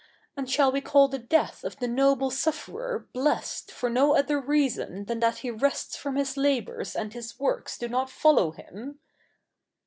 And shall we call the death of the noble sufferer blessed for no other reason than that he rests from his labours and his works do not follow him?'